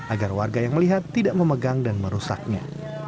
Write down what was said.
agar warga yang melihat tidak memegang dan merusaknya